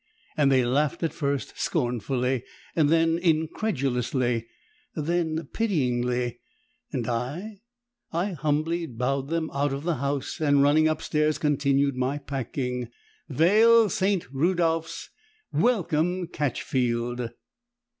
and they laughed at first scornfully, then incredulously then pityingly, and I I humbly bowed them out of the house, and running upstairs continued my packing. Vale St. Rudolphs! Welcome Catchfield!